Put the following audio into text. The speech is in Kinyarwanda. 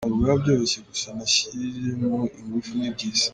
Ntabwo biba byoroshye gusa nashyiremo ingufu ni byiza”.